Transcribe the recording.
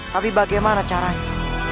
tapi bagaimana caranya